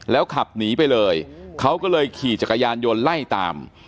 ขับหนีไปเลยเขาก็เลยขี่จักรยานยนต์ไล่ตาม